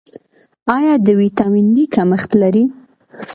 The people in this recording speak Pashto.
ایا د ویټامین ډي کمښت لرئ؟